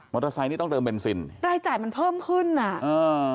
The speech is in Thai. เตอร์ไซค์นี่ต้องเติมเบนซินรายจ่ายมันเพิ่มขึ้นอ่ะเออ